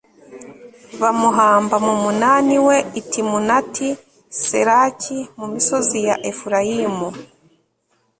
bamuhamba mu munani we i timunati seraki mu misozi ya efurayimu